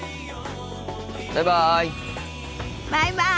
バイバイ。